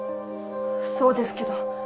そうですけど。